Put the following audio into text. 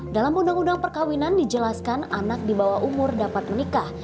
dalam undang undang perkawinan dijelaskan anak di bawah umur dapat menikah